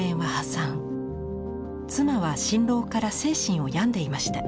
妻は心労から精神を病んでいました。